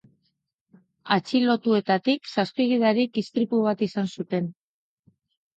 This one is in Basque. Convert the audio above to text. Atxilotuetatik zazpi gidarik istripu bat izan zuten.